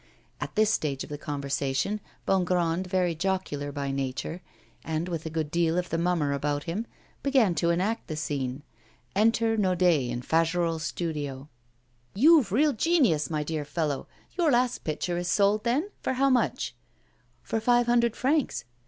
At this stage of the conversation Bongrand, very jocular by nature, and with a good deal of the mummer about him, began to enact the scene. Enter Naudet in Fagerolles' studio. '"You've real genius, my dear fellow. Your last picture is sold, then? For how much?" '"For five hundred francs."